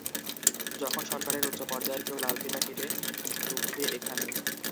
যখন সরকারের উচ্চপর্যায়ের কেউ লাল ফিতা কেটে ঢুকবে এখানে।